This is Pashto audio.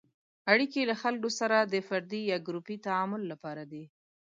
اړیکې له خلکو سره د فردي یا ګروپي تعامل لپاره دي.